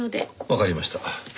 わかりました。